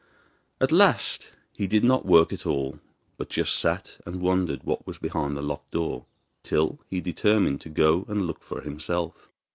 At last he did no work at all, but just sat and wondered what was behind the locked door, till he determined to go and look for himself.